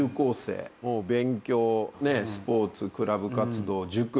勉強スポーツクラブ活動塾